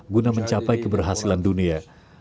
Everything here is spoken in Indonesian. guna mencapai keberhasilan dunia